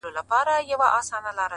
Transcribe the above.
• ها د فلسفې خاوند ها شتمن شاعر وايي؛